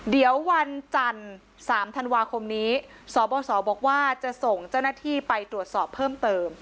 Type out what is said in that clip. เดี๋ยววันจันทร์๓ธันวาคมนี้สบสบอกว่าจะส่งเจ้าหน้าที่ไปตรวจสอบเพิ่มเติม